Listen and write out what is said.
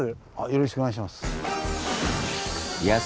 よろしくお願いします。